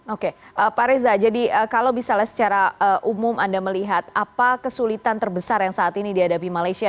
oke pak reza jadi kalau misalnya secara umum anda melihat apa kesulitan terbesar yang saat ini dihadapi malaysia